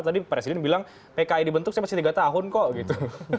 tadi presiden bilang pki dibentuk saya masih tiga tahun kok gitu